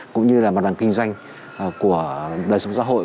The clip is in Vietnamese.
cũng như là mặt bằng kinh doanh của đời sống xã hội